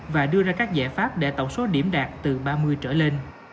và đưa ra các giải pháp để tổng số điểm đạt từ ba mươi trở lên